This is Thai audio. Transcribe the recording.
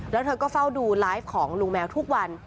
แล้วเธอก็เฝ้าดูไลฟ์ของลุงแมวทุกวัน